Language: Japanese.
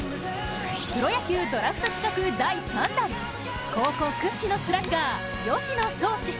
プロ野球ドラフト企画、第３弾高校屈指のスラッガー吉野創士。